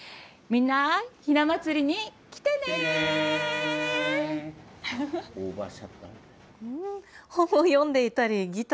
みんな、ひなまつりに来てねー。